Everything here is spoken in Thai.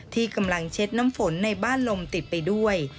ที่กำลังเช็ดน้ำฝนในบ้านลมติดไปด้วย